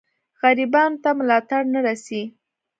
غریبانو ته ملاتړ نه رسي.